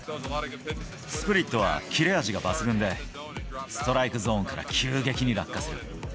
スプリットは切れ味が抜群で、ストライクゾーンから急激に落下する。